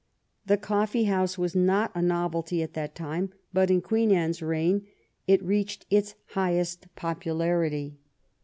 The coffee house was not a novelty at that time, but in Queen Anne's reign it reached its highest popularity.